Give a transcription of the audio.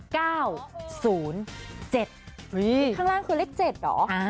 ข้างล่างคือเลข๗เหรอ